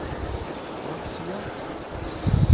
Ṛuḥ sya!